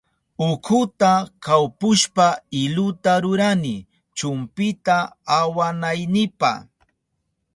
Utkuta kawpushpa iluta rurani chumpita awanaynipa.